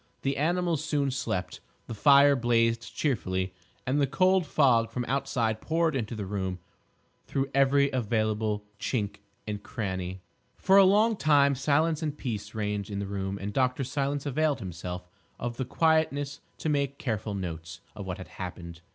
The animals soon slept; the fire blazed cheerfully; and the cold fog from outside poured into the room through every available chink and crannie. For a long time silence and peace reigned in the room and Dr. Silence availed himself of the quietness to make careful notes of what had happened.